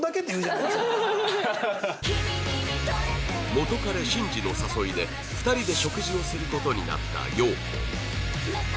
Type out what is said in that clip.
元カレ慎二の誘いで２人で食事をする事になった洋子